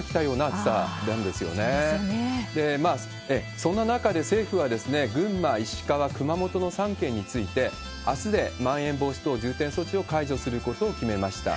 そんな中で政府は、群馬、石川、熊本の３県について、あすでまん延防止等重点措置を解除することを決めました。